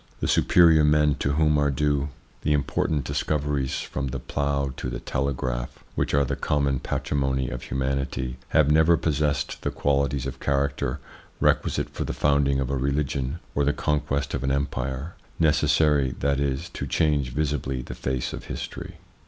The superior men to whom are due 204 THE PSYCHOLOGY OF PEOPLES: the important discoveries, from the plough to the telegraph, which are the common patrimony of humanity, have never possessed the qualities of character requisite for the founding of a religion or the conquest of an empire, necessary, that is, to change visibly the face of history.